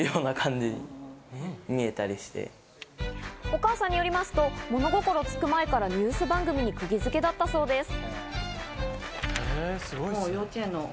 お母さんによりますと、物心つく前からニュース番組にクギ付けだったそうです。